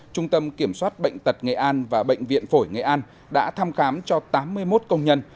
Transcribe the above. trung tâm kiểm soát bệnh tật nghệ an và bệnh viện phổi nghệ an đã thăm khám cho tám mươi một công nhân